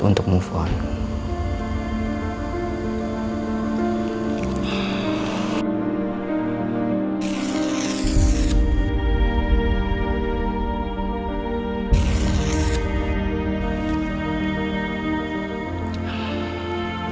untuk semua kenangan aku sama bella